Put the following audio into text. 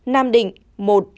một nam định